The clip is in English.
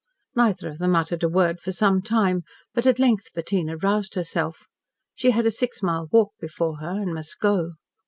Neither of them uttered a word for some time, but at length Bettina roused herself. She had a six mile walk before her and must go.